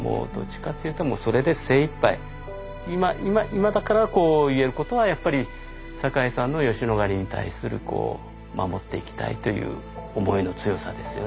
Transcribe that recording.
今だからこう言えることはやっぱり坂井さんの吉野ヶ里に対する守っていきたいという思いの強さですよね